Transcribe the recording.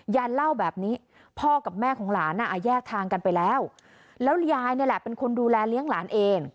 ยายเล่าแบบนี้พ่อกับแม่ของหลานอ่ะแยกทางกันไปแล้วแล้วยายนี่แหละเป็นคนดูแลเลี้ยงหลานเอง